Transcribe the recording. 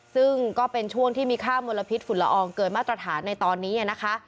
ซึ่งก็เป็นช่วงที่มีค่ามลพิษฝุ่นละอองเกินมาตรฐานในตอนนี้นะคะ